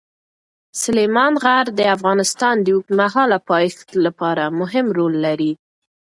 سلیمان غر د افغانستان د اوږدمهاله پایښت لپاره مهم رول لري.